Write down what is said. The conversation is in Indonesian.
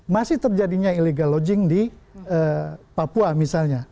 masih terjadinya illegal logging di papua misalnya